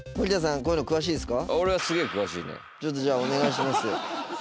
俺はちょっとじゃあお願いしますよ